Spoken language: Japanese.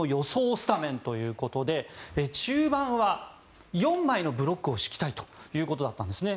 スタメンということで中盤は４枚のブロックを敷きたいということだったんですね。